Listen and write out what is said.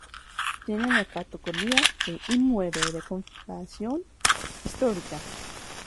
Tiene la categoría de "Inmueble de Conservación Histórica".